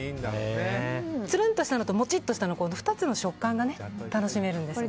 つるんとしたのとモチッとした２つの食感が楽しめるんですよ。